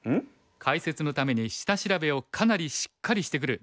解説のために下調べをかなりしっかりしてくる。